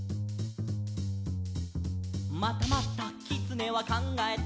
「またまたきつねはかんがえた」